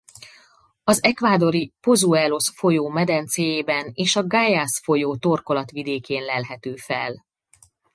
Az ecuadori Pozuelos-folyómedencéjében és a Guayas-folyó torkolatvidékén lelhető fel.